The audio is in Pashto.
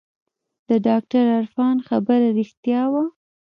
د ډاکتر عرفان خبره رښتيا وه.